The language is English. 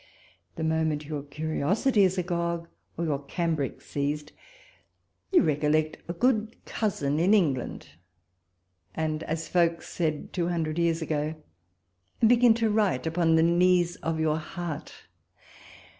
The moment your curiosity is agog, or your cambric seized, you recollect a good cousin in England, and, as folks said two hundred years ago, begin to write 86 walpole's letters. " upon the knees of your heart."